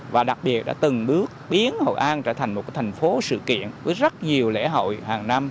và đặc biệt đã từng bước biến hội an trở thành một thành phố sự kiện với rất nhiều lễ hội hàng năm